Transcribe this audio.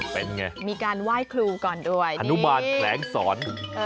เป็นอย่างไรมีการไหว้ครูก่อนด้วยดีอนุมานแขลงสอน